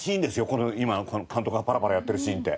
この今監督がパラパラやってるシーンって。